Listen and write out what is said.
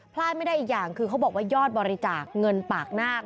พลาดไม่ได้อีกอย่างคือเขาบอกว่ายอดบริจาคเงินปากนาค